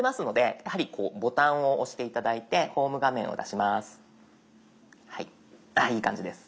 いい感じです。